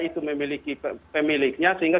itu memiliki pemiliknya sehingga